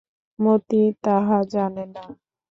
মতি তাহা জানে না।